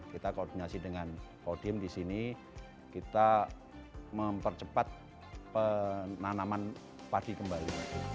kita koordinasi dengan kodim di sini kita mempercepat penanaman padi kembali